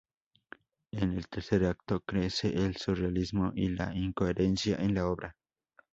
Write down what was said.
En el tercer acto, crece el surrealismo y la incoherencia en la obra.